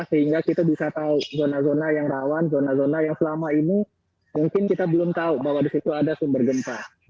sehingga kita bisa tahu zona zona yang rawan zona zona yang selama ini mungkin kita belum tahu bahwa di situ ada sumber gempa